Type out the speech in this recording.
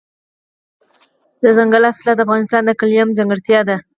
دځنګل حاصلات د افغانستان د اقلیم ځانګړتیا ده.